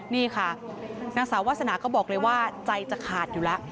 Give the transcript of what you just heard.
นี่ค่ะนางสาววาสนาก็บอกเลยว่าใจจะขาดอยู่แล้ว